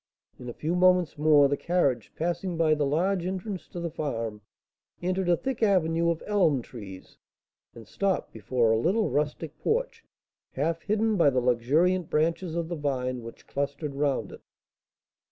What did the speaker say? In a few moments more, the carriage, passing by the large entrance to the farm, entered a thick avenue of elm trees, and stopped before a little rustic porch, half hidden by the luxuriant branches of the vine which clustered round it.